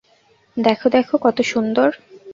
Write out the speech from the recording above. দেখ, দেখ, কত সুন্দর।